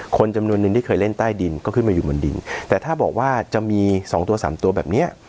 คนจำนวนนึงที่เคยเล่นใต้ดินก็ขึ้นมาอยู่บนดินแต่ถ้าบอกว่าจะมีสองตัวสามตัวแบบเนี้ย